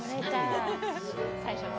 最初の。